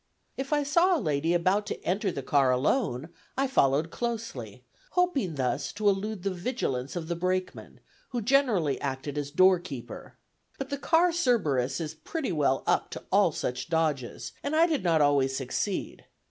If I saw a lady about to enter the car alone, I followed closely, hoping thus to elude the vigilance of the brakeman, who generally acted as door keeper. But the car Cerberus is pretty well up to all such dodges, and I did not always succeed.